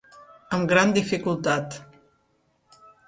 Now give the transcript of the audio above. Amb gran dificultat.